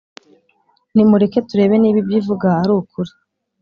Nimureke turebe niba ibyo ivuga ari ukuri,